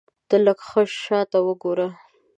ته لږ شاته وګوره !